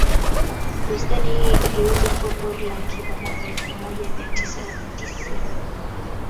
Bustani hii iligeuzwa kuwa pori la akiba mwaka elfu moja mia tisa tisini